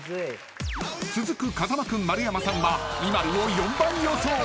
［続く風間君丸山さんはＩＭＡＬＵを４番予想］